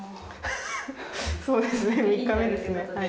そうですね３日目ですねはい。